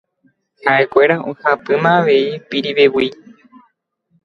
Haʼekuéra ohapýma avei Pirivevúi.